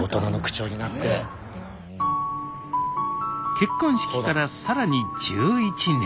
結婚式からさらに１１年。